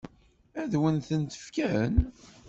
Ad wen-ten-fken?